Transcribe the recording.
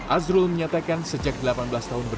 azrul menyatakan sejak delapan belas tahun